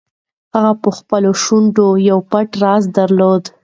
هغې په خپلو شونډو یو پټ راز درلود.